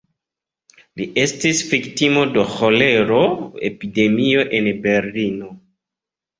Li estis viktimo de ĥolero-epidemio en Berlino.